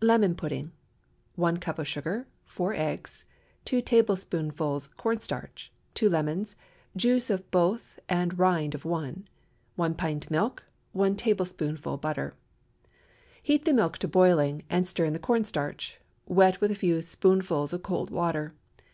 LEMON PUDDING. ✠ 1 cup of sugar. 4 eggs. 2 tablespoonfuls corn starch. 2 lemons—juice of both and rind of one. 1 pint milk. 1 tablespoonful butter. Heat the milk to boiling, and stir in the corn starch, wet with a few spoonfuls of cold water.